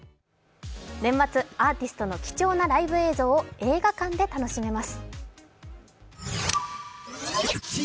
年末アーティストの貴重なライブ映像を映画館で楽しめます。